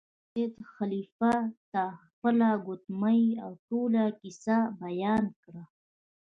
سید خلیفه ته خپله ګوتمۍ او ټوله کیسه بیان کړه.